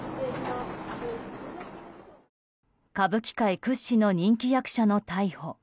歌舞伎界屈指の人気役者の逮捕。